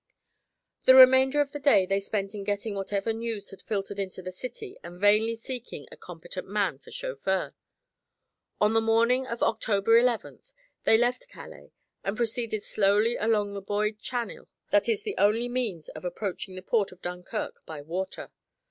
The remainder of the day they spent in getting whatever news had filtered into the city and vainly seeking a competent man for chauffeur. On the morning of October eleventh they left Calais and proceeded slowly along the buoyed channel that is the only means of approaching the port of Dunkirk by water.